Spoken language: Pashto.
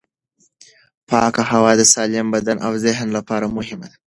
پاکه هوا د سالم بدن او ذهن لپاره مهمه ده.